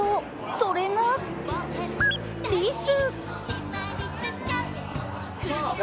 それが、リス。